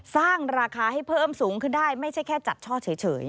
สร้างราคาให้เพิ่มสูงขึ้นได้ไม่ใช่แค่จัดช่อเฉย